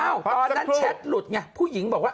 ตอนนั้นแชทหลุดไงผู้หญิงบอกว่า